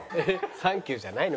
「サンキュー」じゃないの？